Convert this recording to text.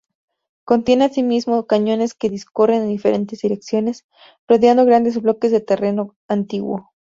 Contiene asimismo cañones que discurren en diferentes direcciones, rodeando grandes bloques de terreno antiguo.